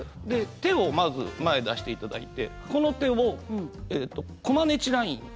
手をまず前出していただいてこの手をえとコマネチライン。